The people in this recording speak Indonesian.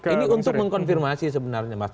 ini untuk mengkonfirmasi sebenarnya mas